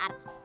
kata duit aja